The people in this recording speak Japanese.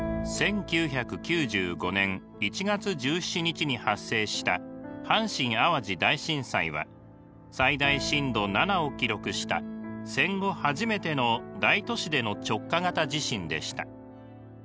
１９９５年１月１７日に発生した阪神・淡路大震災は最大震度７を記録した戦後初めての大都市での直下型地震でした。